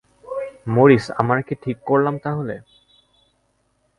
Morris, আমরা কি ঠিক করলাম তাহলে?